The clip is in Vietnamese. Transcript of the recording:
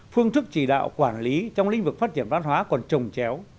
phương thức chỉ đạo quản lý trong lĩnh vực phát triển văn hóa còn trồng chéo